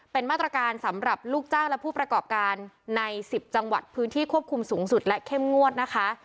เป็นมาตรการสำหรับลูกจ้างและผู้ประกอบการใน๑๐จังหวัดพื้นที่ควบคุมสูงสุดและเข้มงวดนะคะ